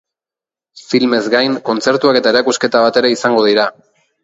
Filmez gain, kontzertuak eta erakusketa bat ere izango dira.